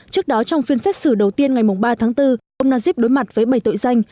trước đó trong phiên xét xử đầu tiên ngày ba tháng bốn ông najib đối mặt với bảy tội danh